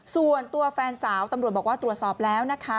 ส่วนตัวแฟนสาวตำรวจบอกว่าตรวจสอบแล้วนะคะ